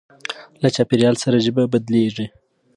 له چاپېریال سره ژبه بدلېږي.